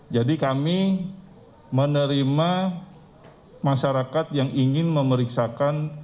jadi kami menerima masyarakat yang ingin memeriksakan